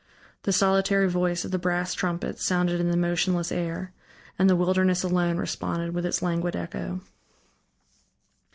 The solitary voice of the brass trumpets sounded in the motionless air, and the wilderness alone responded with its languid echo.